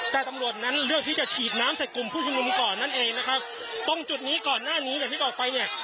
แต่ตำรวจนั้นเลือกที่จะฉีดน้ำใส่กลุ่มผู้ชุมนุมก่อนนั่นเองนะครับตรงจุดนี้ก่อนหน้านี้อย่างที่บอกไปเนี่ย